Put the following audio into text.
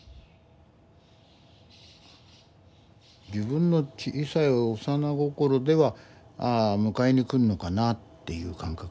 自分の小さい幼な心ではああ迎えに来るのかなっていう感覚？